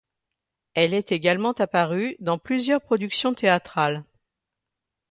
Elle est également apparue dans plusieurs productions théâtrales.